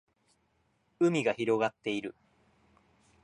海が広がっている